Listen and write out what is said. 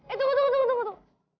eh tunggu tunggu tunggu tunggu